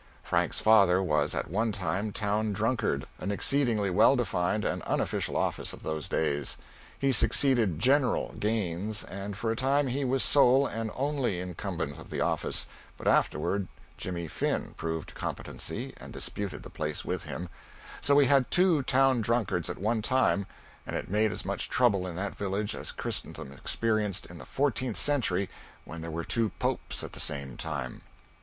Frank's father was at one time Town Drunkard, an exceedingly well defined and unofficial office of those days. He succeeded "General" Gaines, and for a time he was sole and only incumbent of the office; but afterward Jimmy Finn proved competency and disputed the place with him, so we had two town drunkards at one time and it made as much trouble in that village as Christendom experienced in the fourteenth century when there were two Popes at the same time.